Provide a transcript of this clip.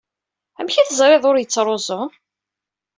Amek ay teẓriḍ ur yettruẓu?